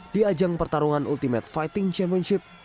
di ajang pertarungan ultimate fighting championship